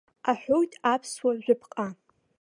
Аҳәоит аԥсуа жәаԥҟа.